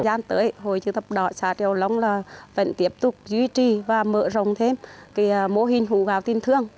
gian tới hội chữ thập đỏ xã triều long vẫn tiếp tục duy trì và mở rộng thêm mô hình hũ gạo tình thương